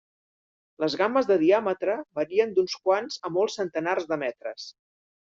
Les gammes de diàmetre varien d'uns quants a molts centenars de metres.